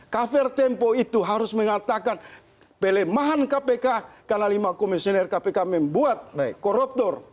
kafer tempo itu harus mengatakan pelemahan kpk karena lima komisioner kpk membuat koruptor